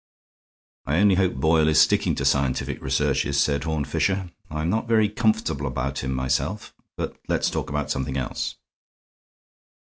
"I only hope Boyle is sticking to scientific researches," said Horne Fisher. "I'm not very comfortable about him myself. But let's talk about something else."